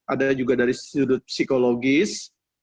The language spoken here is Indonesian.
ada juga dari sudut psikologis